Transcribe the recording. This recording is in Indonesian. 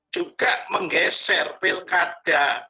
juga menggeser pilkada